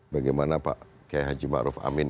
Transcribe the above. bagaimana pak k haji maruf amin